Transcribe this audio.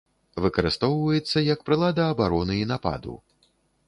Выкарыстоўваецца як прылада абароны і нападу.